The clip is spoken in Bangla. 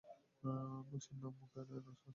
বসের নাম মুখে নেয়ার সাহস হয় কীভাবে?